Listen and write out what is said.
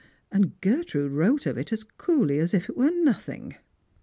And Gertrude wrote of it as coolly as if it were nothing.